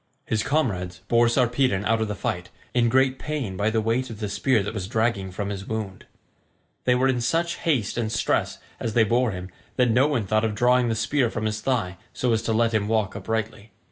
His comrades bore Sarpedon out of the fight, in great pain by the weight of the spear that was dragging from his wound. They were in such haste and stress as they bore him that no one thought of drawing the spear from his thigh so as to let him walk uprightly.